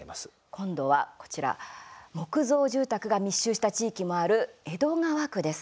今度はこちら、木造住宅が密集した地域もある江戸川区です。